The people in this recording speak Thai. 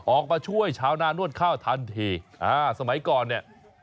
ออกมาช่วยชาวนานวดข้าวทันทีอ่าสมัยก่อนเนี่ย